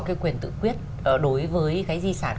cái quyền tự quyết đối với cái di sản